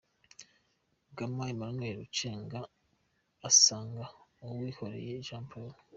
Ngama Emmanuel acenga asanga Uwihoreye Jean Paul.